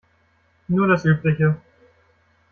Nur das Übliche.